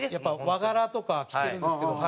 和柄とか着てるんですけど。